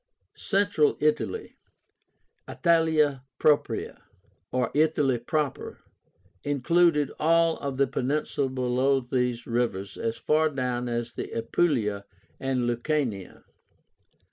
CENTRAL ITALY, Italia Propria, or Italy Proper, included all of the peninsula below these rivers as far down as Apulia and Lucania.